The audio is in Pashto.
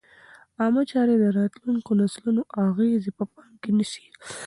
عامه چارې د راتلونکو نسلونو اغېز په پام کې نیسي.